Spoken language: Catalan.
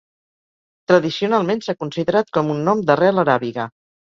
Tradicionalment s'ha considerat com un nom d'arrel aràbiga.